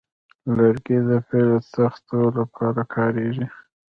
لرګی د پله د تختو لپاره کارېږي.